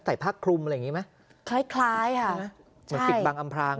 ผ้าคลุมอะไรอย่างงี้ไหมคล้ายคล้ายค่ะเหมือนปิดบังอำพราง